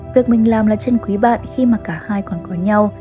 việc mình làm là chân quý bạn khi mà cả hai còn có nhau